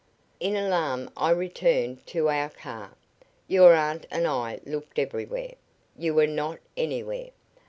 In alarm I returned to our car. Your aunt and I looked everywhere. You were not anywhere.